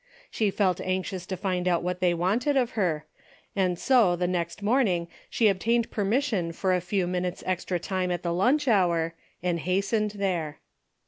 She felt anxious to find out what they wanted of her, and so the next morning she obtained permission for a few minutes' extra time at the lunch hour and hastened there.